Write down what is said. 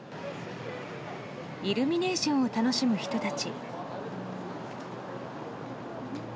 イルミネーションを楽しむ人たち。